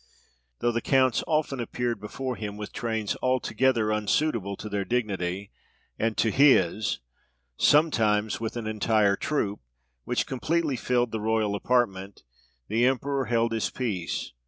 Though the counts often appeared before him with trains altogether unsuitable to their dignity and to his sometimes with an entire troop, which completely filled the royal apartment the emperor held his peace.